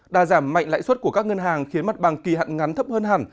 đà giảm mạnh lãi suất của các ngân hàng khiến mặt bằng kỳ hạn ngắn thấp hơn hẳn